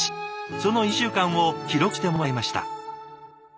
その１週間を記録してもらいました。